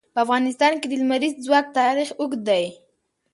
په افغانستان کې د لمریز ځواک تاریخ اوږد دی.